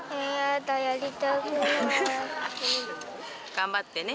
頑張ってね。